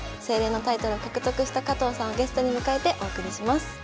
清麗のタイトルを獲得した加藤さんをゲストに迎えてお送りします。